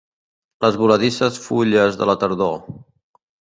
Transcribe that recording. Les voladisses fulles de la tardor.